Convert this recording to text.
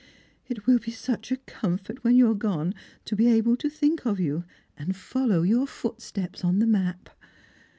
" It will be such a comfort when you are gone to be able to think of yon, and follow your footsteps on the map."